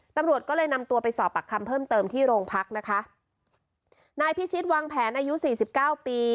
ตำรวจก็เลยนำตัวไปสอบปากคำเพิ่มเติมที่โรงพักนะคะนายพิชิตวางแผนอายุสี่สิบเก้าปี